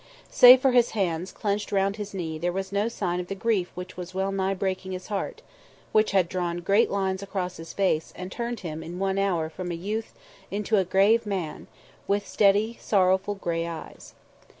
Save for his hands clenched round his knee there was no sign of the grief which was well nigh breaking his heart; which had drawn great lines across his face and had turned him in one hour from a youth, into a grave man, with steady, sorrowful grey eyes.